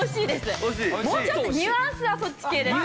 もうちょっとニュアンスはそっち系です。